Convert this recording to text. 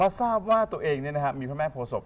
ทราบว่าตัวเองมีพระแม่โพศพ